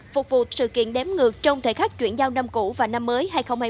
phục vụ sự kiện đếm ngược trong thời khắc chuyển giao năm cũ và năm mới hai nghìn hai mươi